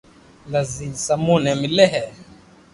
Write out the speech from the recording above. لڌيز سمون بي ملي هي